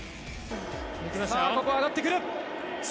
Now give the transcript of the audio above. ここは上がってくる。